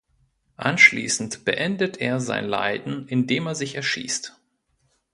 Anschließend beendet er sein Leiden, indem er sich erschießt.